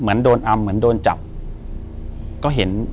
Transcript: อยู่ที่แม่ศรีวิรัยิลครับ